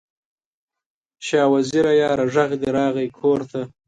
شاه وزیره یاره، ږغ دې راغلی کور ته